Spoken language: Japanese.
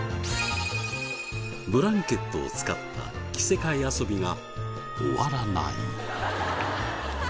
ブランケットを使った着せ替え遊びが終わらない。